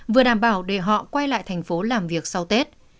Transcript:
vừa đảm bảo để họ quay lại thành phố làm việc sau tết